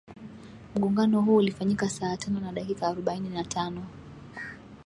mgongano huo ulifanyika saa tano na dakika arobaini na tano